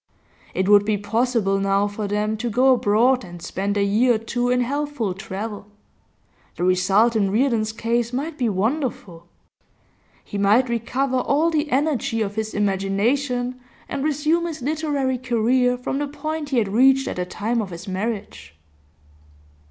It would be possible now for them to go abroad and spend a year or two in healthful travel; the result in Reardon's case might be wonderful. He might recover all the energy of his imagination, and resume his literary career from the point he had reached at the time of his marriage.